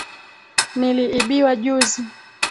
Niliibiwa juzi